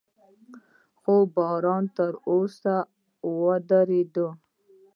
خو باران تر اوسه ورېده.